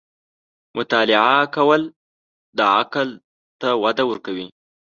• مطالعه کول، د عقل ته وده ورکوي.